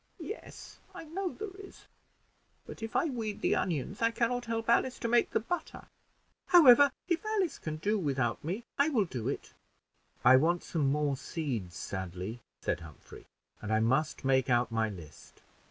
"Yes, I know there is; but if I weed the onions, I can not help Alice to make the butter; however, if Alice can do without me, I will do it." "I want some more seeds sadly," said Humphrey, "and I must make out my list.